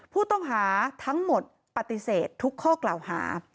ผู้ต้องหาทั้งหมดปฏิเสธทุกข้อกล่าวหา